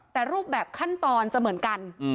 แต่รูปแบบขั้นตอนจะเหมือนกัน